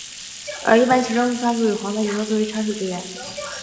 而一般球证会发出黄牌以作警告插水球员。